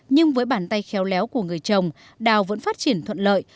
nhưng với bản tay khéo léo của người chồng đào vẫn phát triển thuận lợi